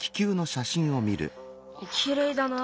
きれいだな。